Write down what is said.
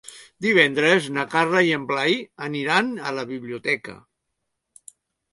Divendres na Carla i en Blai aniran a la biblioteca.